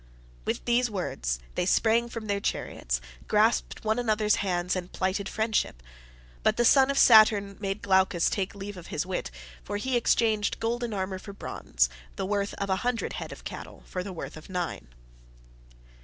With these words they sprang from their chariots, grasped one another's hands, and plighted friendship. But the son of Saturn made Glaucus take leave of his wits, for he exchanged golden armour for bronze, the worth of a hundred head of cattle for the worth of nine.